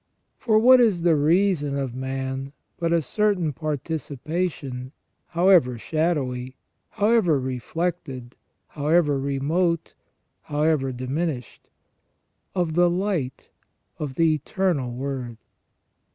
For what is the reason of man but a certain participation, however shadowy, however reflected, however remote, however diminished, of the light of the Eternal Word?